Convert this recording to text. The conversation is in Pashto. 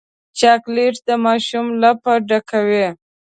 چاکلېټ د ماشوم لپې ډکوي.